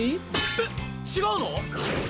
えっ違うの？